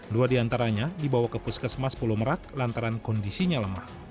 dua diantaranya dibawa ke puskesmas pulau merak lantaran kondisinya lemah